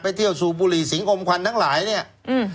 เที่ยวสูบบุหรี่สิงอมควันทั้งหลายเนี่ยอืม